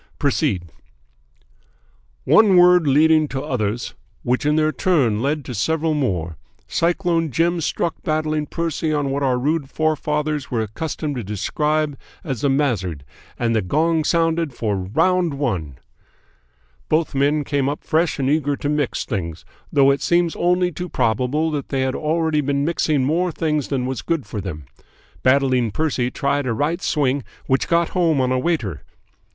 Proceed!" "One word leading to others, which in their turn led to several more, Cyclone Jim struck Battling Percy on what our rude forefathers were accustomed to describe as the mazzard, and the gong sounded for "ROUND ONE "Both men came up fresh and eager to mix things, though it seems only too probable that they had already been mixing more things than was good for them. Battling Percy tried a right swing which got home on a waiter.